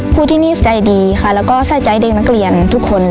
ครูที่นี่ใจดีค่ะแล้วก็ใส่ใจเด็กนักเรียนทุกคน